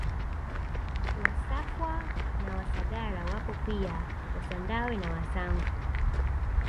Wasafwa na Wasagara wapo pia Wasandawe na Wasangu